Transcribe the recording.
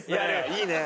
いいね。